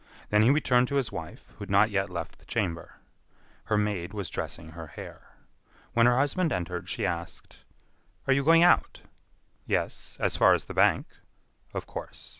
Then he returned to his wife, who had not yet left the chamber. Her maid was dressing her hair. When her husband entered, she asked: "Are you going out?" "Yes, as far as the bank." "Of course.